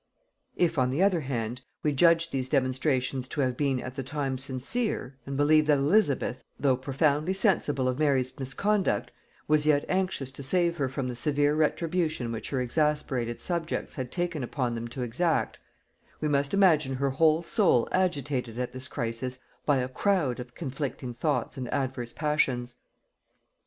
If, on the other hand, we judge these demonstrations to have been at the time sincere, and believe that Elizabeth, though profoundly sensible of Mary's misconduct, was yet anxious to save her from the severe retribution which her exasperated subjects had taken upon them to exact, we must imagine her whole soul agitated at this crisis by a crowd of conflicting thoughts and adverse passions.